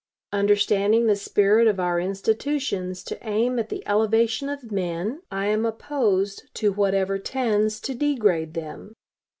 Understanding the spirit of our institutions to aim at the elevation of men, I am opposed to whatever tends to degrade them.